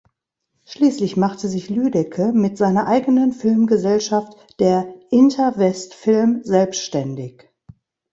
Schließlich machte sich Lüdecke mit seiner eigenen Filmgesellschaft, der "Inter West Film", selbständig.